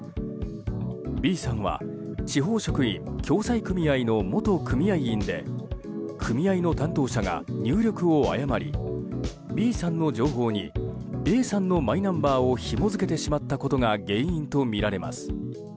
Ｂさんは地方職員共済組合の元組合員で組合の担当者が入力を誤りＢさんの情報にＡさんのマイナンバーをひも付けてしまったことが原因とみられます。